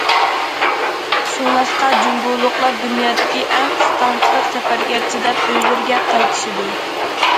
شۇڭلاشقا، جۇڭگولۇقلار دۇنيادىكى ئەڭ قىستاڭچىلىق سەپەرگە چىداپ، ئۆيلىرىگە قايتىشىدۇ.